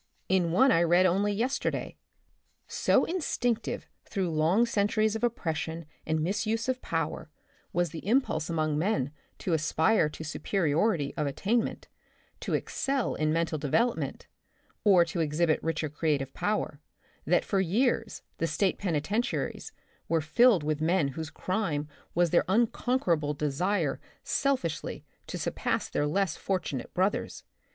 In one I read only i yesterday, " So instinctive through long centu ries of oppression and misuse of power was ;* ■1 The Republic of the Future, 75 the impulse among men to aspire to supe riority of attainment, to excel in mental devel opment, or to exhibit richer creative power, that for years the state penitentiaries were filled with men whose crime was their unconquer able desire selfishly to surpass their less fortu nate brothers.